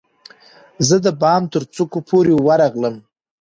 زه د بام ترڅوکو پورې ورغلم